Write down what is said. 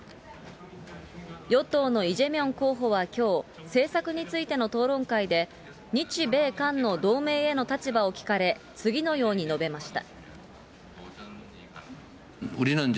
与党のイ・ジェミョン候補はきょう、政策についての討論会で、日米韓の同盟への立場を聞かれ、次のように述べました。